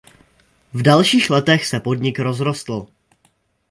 V dalších letech se podnik rozrostl.